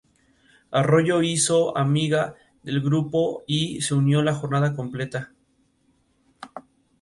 Arroyo hizo amiga del grupo y se unió a jornada completa.